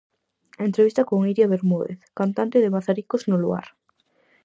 Entrevista con Iria Bermúdez, cantante de Mazaricos no Luar.